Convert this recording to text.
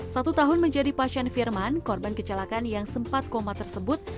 satu tahun menjadi pasien firman korban kecelakaan yang sempat koma tersebut